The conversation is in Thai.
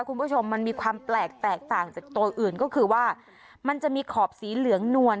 คุณผู้ชมมันมีความแปลกแตกต่างจากตัวอื่นก็คือว่ามันจะมีขอบสีเหลืองนวล